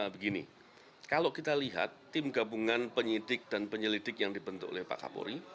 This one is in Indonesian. begini kalau kita lihat tim gabungan penyidik dan penyelidik yang dibentuk oleh pak kapolri